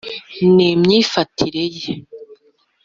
n'imyifatire ye: